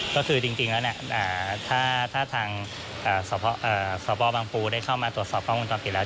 ก็คือจริงแล้วถ้าทางสภบางภูร์ได้เข้ามาตรวจสอบข้อมูลความผิดแล้ว